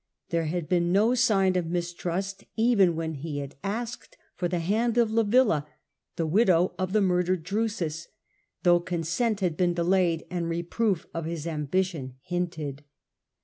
There had been no sign of mistrust even when he had asked for the hand of Livilla, the widow of the murdered Drusus, though consent had been delayed and reproof of his ambition hinted.